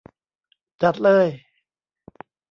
จัดเลย !